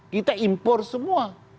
kita impor semua